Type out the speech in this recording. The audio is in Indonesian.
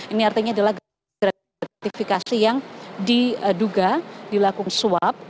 ini artinya adalah gratifikasi yang diduga dilakukan swab